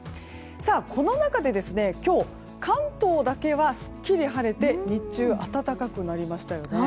この中で今日、関東だけはすっきり晴れて日中、暖かくなりましたよね。